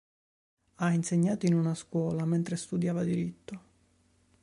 Ha insegnato in una scuola mentre studiava diritto.